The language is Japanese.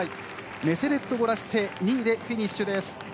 メセレット・ゴラ・シセイ２位でフィニッシュです。